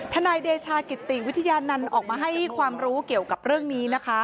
นายเดชากิติวิทยานันต์ออกมาให้ความรู้เกี่ยวกับเรื่องนี้นะคะ